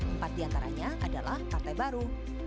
empat diantaranya adalah partai baru